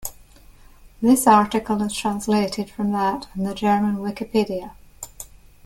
"This article is translated from that on the German Wikipedia"